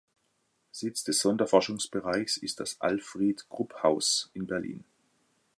Sitz des Sonderforschungsbereichs ist das "Alfried-Krupp-Haus" in Berlin.